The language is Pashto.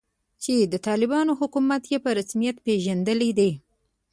چې د طالبانو حکومت یې په رسمیت پیژندلی دی